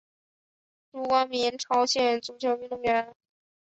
朱光民朝鲜足球运动员。